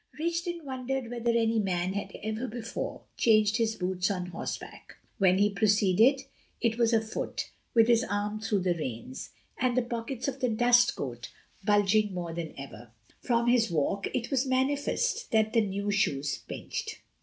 Rigden wondered whether any man had ever before changed his boots on horseback. When he proceeded it was afoot, with his arm through the reins, and the pockets of the dust coat bulging more than ever. From his walk it was manifest that the new shoes pinched.